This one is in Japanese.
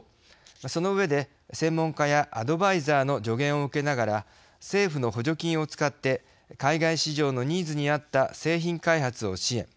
その上で、専門家やアドバイザーの助言を受けながら政府の補助金を使って海外市場のニーズにあった製品開発を支援。